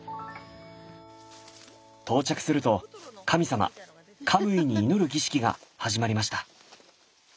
到着すると神様カムイに祈る儀式が始まりました。